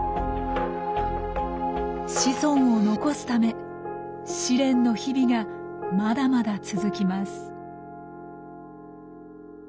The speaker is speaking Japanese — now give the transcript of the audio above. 子孫を残すため試練の日々がまだまだ続きます。